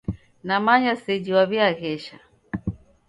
Namanya seji w'aw'iaghesha.